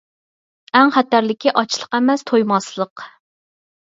ئەڭ خەتەرلىكى ئاچلىق ئەمەس، تويماسلىق!